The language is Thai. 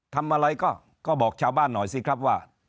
ทำอะไรก็บอกชาวบ้านหน่อยสิครับว่า